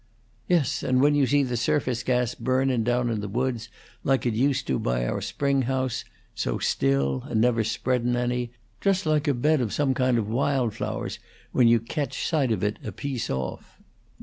"Yes, and when you see the surface gas burnun' down in the woods, like it used to by our spring house so still, and never spreadun' any, just like a bed of some kind of wild flowers when you ketch sight of it a piece off."